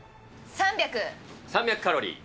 ３００カロリー。